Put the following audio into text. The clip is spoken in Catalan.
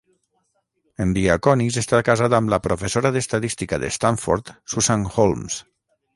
En Diaconis està casat amb la professora d"estadística de Stanford Susan Holmes.